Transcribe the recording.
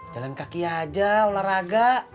jalan kaki aja olahraga